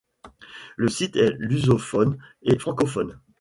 Le site est lusophone et francophone.